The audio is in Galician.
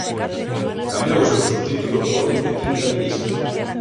Cambiou o seu subtítulo por "Boletín galeguista".